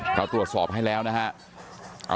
เราตรวจสอบให้แล้วนะครับ